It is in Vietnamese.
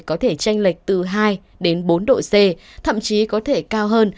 có thể tranh lệch từ hai đến bốn độ c thậm chí có thể cao hơn